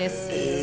え！